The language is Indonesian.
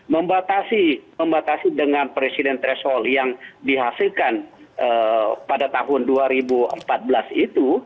membatasi dengan presiden threshold yang dihasilkan pada tahun dua ribu empat belas itu